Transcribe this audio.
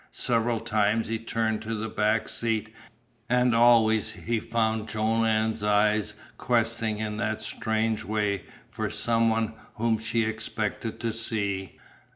Several times he turned to the back seat, and always he found Joanne's eyes questing in that strange way for the some one whom she expected to see.